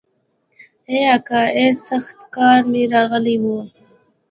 ای اکا ای سخت قار مې راغلی و.